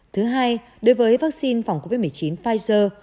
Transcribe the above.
thứ hai đối với vắc xin phòng covid một mươi chín pfizer